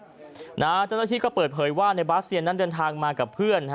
เจ้าหน้าที่ก็เปิดเผยว่าในบาสเซียนนั้นเดินทางมากับเพื่อน